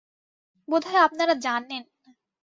বোধহয় আপনারা জানেন।